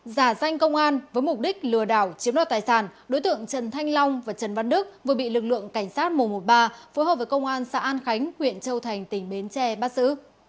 giả danh công an với mục đích lừa đảo chiếm đoạt tài sản đối tượng trần thanh long và trần văn đức vừa bị lực lượng cảnh sát một trăm một mươi ba phối hợp với công an xã an khánh huyện châu thành tỉnh bến tre bắt giữ